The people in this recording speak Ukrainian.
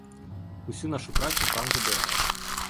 Усю нашу працю пан забирає.